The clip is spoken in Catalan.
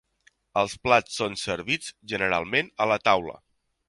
Els plats són servits generalment a la taula.